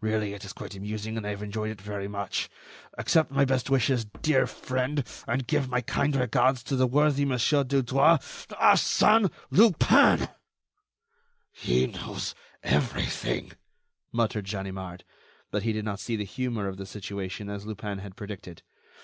Really, it is quite amusing, and I have enjoyed it very much. "Accept my best wishes, dear friend, and give my kind regards to the worthy Mon. Dudouis. "ARSÈNE LUPIN." "He knows everything," muttered Ganimard, but he did not see the humor of the situation as Lupin had predicted.